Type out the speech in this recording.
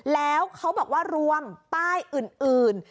แล้วเขาบอกว่ารวมป้ายอื่น